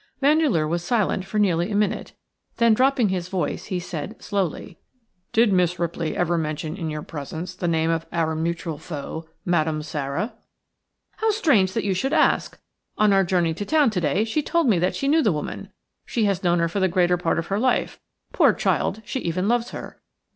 Vandeleur was silent for nearly a minute; then dropping his voice he said, slowly:– "Did Miss Ripley ever mention in your presence the name of our mutual foe – Madame Sara?" "How strange that you should ask! On our journey to town to day she told me that she knew the woman – she has known her for the greater part of her life – poor child, she even loves her.